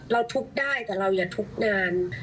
เราทุกข์ได้แต่เราอย่าทุกข์นาน